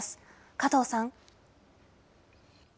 加藤さん。